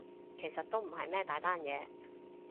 其實都唔係咩大單嘢